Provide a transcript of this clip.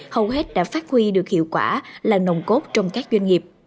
hầu hết đã phát huy được hiệu quả là nồng cốt trong các doanh nghiệp